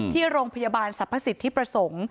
ที่โรงพยาบาลสรรพสิทธิประสงค์